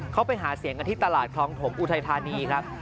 เขาไปหาเสียงกันที่ตลาดคลองถมอุทัยธานีครับ